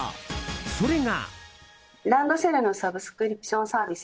それが。